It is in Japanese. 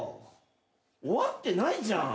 終わってないじゃん。